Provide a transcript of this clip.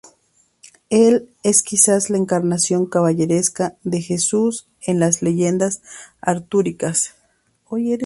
Él es quizás la encarnación caballeresca de Jesús en las leyendas artúricas.